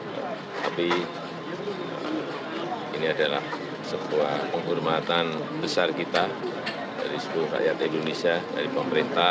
tapi ini adalah sebuah penghormatan besar kita dari seluruh rakyat indonesia dari pemerintah